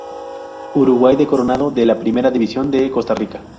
Uruguay de Coronado de la Primera División de Costa Rica.